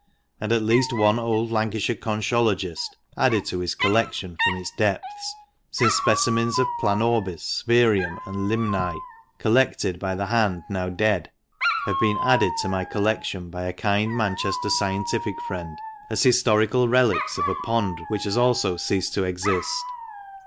And at least one old Lancashire conchologist added to his collection from its depths, since specimens of Planorbis, Spherium and Limnsea, collected by the hand now dead, have been added to my collection by a kind Manchester scientific friend as historical relics of a pond which has also ceased to exist.